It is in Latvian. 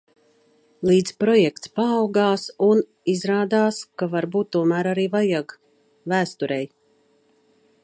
Līdz projekts paaugās, un, izrādās, ka varbūt tomēr arī vajag. Vēsturei.